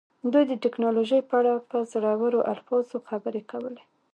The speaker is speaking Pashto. دوی د ټیکنالوژۍ په اړه په زړورو الفاظو خبرې کولې